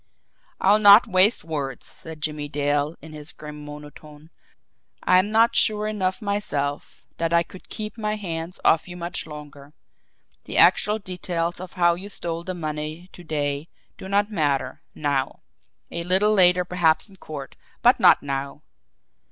"I'll not waste words," said Jimmie Dale, in his grim monotone. "I'm not sure enough myself that I could keep my hands off you much longer. The actual details of how you stole the money to day do not matter NOW. A little later perhaps in court but not now.